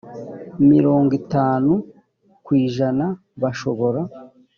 mirongo itanu ku ijana bashobora